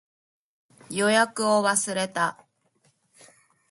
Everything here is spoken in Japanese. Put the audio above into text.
予約を忘れた